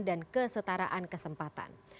dan kesetaraan kesempatan